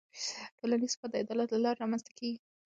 ټولنیز ثبات د عدالت له لارې رامنځته کېږي.